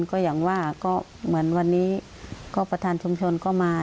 ก็อย่างว่าก็เหมือนวันนี้ก็ประธานชุมชนก็มา